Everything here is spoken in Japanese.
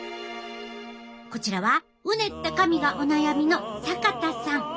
こちらはうねった髪がお悩みの坂田さん。